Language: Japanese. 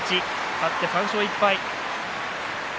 勝って３勝１敗です。